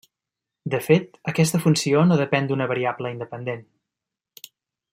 De fet, aquesta funció no depèn d'una variable independent.